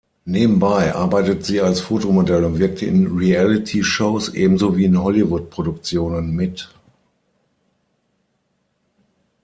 Nebenbei arbeitet sie als Fotomodell und wirkte in Reality-Shows ebenso wie in Hollywood-Produktionen mit.